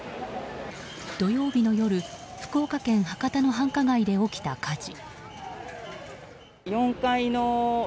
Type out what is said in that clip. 土曜日の夜福岡県博多の繁華街で起きた火事。